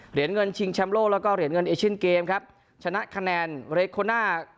เหรียญเงินชิงแชมโลแล้วก็เหรียญเงินเอชินเกมครับชนะคะแนน